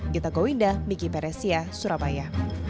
kita goindah miki peresia surabaya